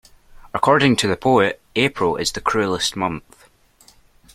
According to the poet, April is the cruellest month